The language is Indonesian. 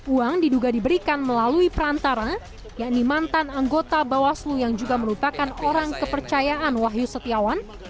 uang diduga diberikan melalui perantara yakni mantan anggota bawaslu yang juga merupakan orang kepercayaan wahyu setiawan